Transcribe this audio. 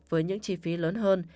với những chi phí lớn hơn